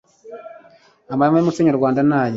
amahame yumuco nyarwanda naya